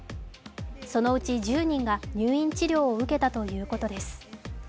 そのうち１０人が入院治療を受けたということです。